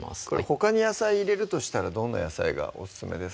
ほかに野菜入れるとしたらどんな野菜がオススメですか？